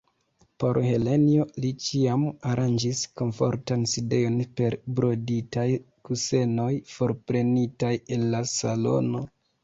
Por Helenjo li ĉiam aranĝis komfortan sidejon per broditaj kusenoj forprenitaj el la salono.